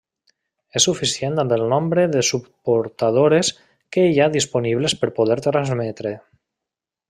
És suficient amb el nombre de subportadores que hi ha disponibles per poder transmetre.